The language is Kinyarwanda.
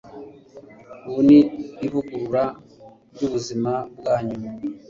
ubu ni ivugurura ryubuzima bwanyu